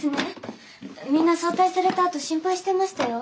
みんな早退されたあと心配してましたよ。